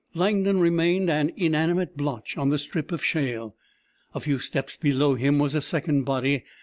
Langdon remained an inanimate blotch on the strip of shale. A few steps below him was a second body.